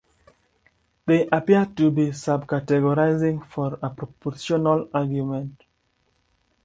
They appear to be subcategorizing for a propositional argument.